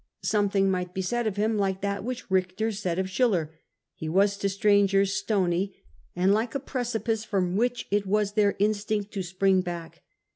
Something might be said of him like that which Richter said of Schiller : he was to strangers stony and like a precipice from which it was their instinct to spring back.